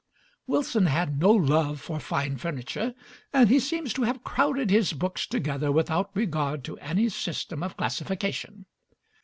Wilson had no love for fine furniture, and he seems to have crowded his books together without regard to any system of classification.